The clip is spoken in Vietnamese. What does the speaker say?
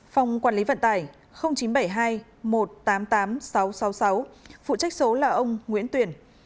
phòng quản lý vận tải chín trăm bảy mươi hai một trăm tám mươi tám sáu trăm sáu mươi sáu phụ trách số là ông nguyễn tuyển